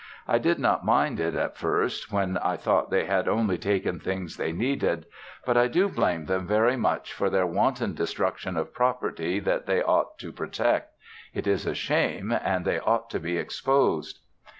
I did not mind it at first when I thought they had only taken things they needed, but I do blame them very much for their wanton destruction of property that they ought to protect. It is a shame and they ought to be exposed.